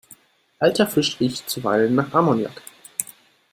Alter Fisch riecht zuweilen nach Ammoniak.